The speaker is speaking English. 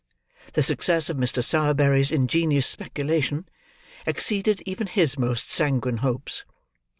The success of Mr. Sowerberry's ingenious speculation, exceeded even his most sanguine hopes.